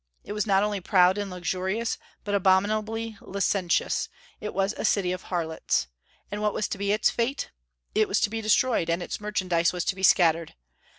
It was not only proud and luxurious, but abominably licentious; it was a city of harlots. And what was to be its fate? It was to be destroyed, and its merchandise was to be scattered.